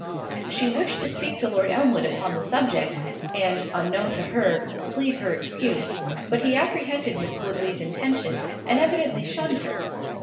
She wished to speak to Lord Elmwood upon the subject, and (unknown to her) plead her excuse; but he apprehended Miss Woodley's intention, and evidently shunned her.